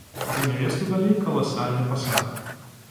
За нявесту далі каласальны пасаг.